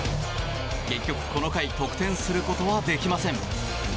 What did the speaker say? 結局、この回得点することはできません。